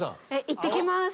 いってきます。